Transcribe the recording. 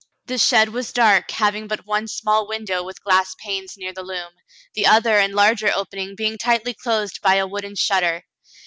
The shed was dark, having but one small window with glass panes near the loom, the other and larger opening being tightly closed by a wooden shutter.